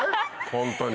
ホントに。